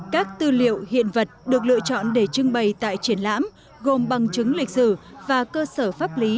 các tư liệu hiện vật được lựa chọn để trưng bày tại triển lãm gồm bằng chứng lịch sử và cơ sở pháp lý